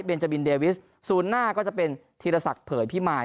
เป็นจาบินเดวิสศูนย์หน้าก็จะเป็นธีรศักดิ์เผยพิมาย